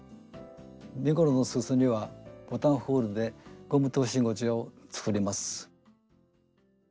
身ごろのすそにはボタンホールでゴム通し口を作ります。